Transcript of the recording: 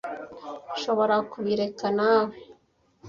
Nshobora kubireka nawe?